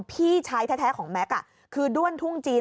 พี่ชายแท้ของแม็กซ์คือด้วนทุ่งจีน